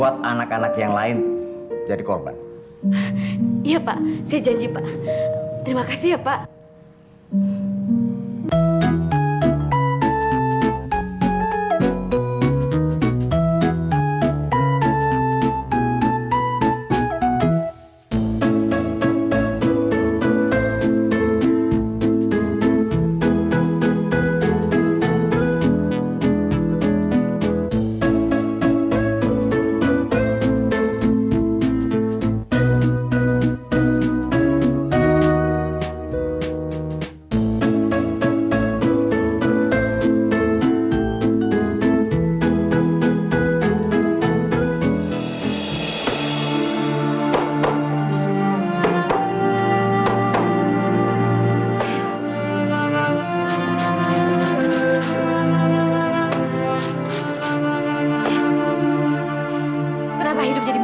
terima kasih ya pak